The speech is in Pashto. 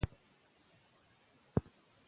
که نبات وي نو پاڼه نه ورکیږي.